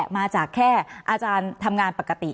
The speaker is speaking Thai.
มาจากแค่อาจารย์ทำงานปกติ